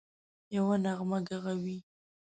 یوه نغمه ږغوي